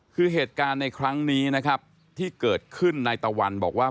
คือเหตุการณ์ในครั้งนี้นะครับที่เกิดขึ้นนายตะวันบอกว่า